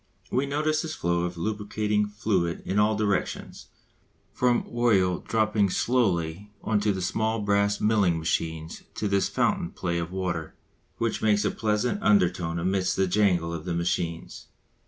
We notice this flow of lubricating fluid in all directions, from oil dropping slowly on to the small brass milling machines to this fountain play of water which makes a pleasant undertone amidst the jangle of the machines.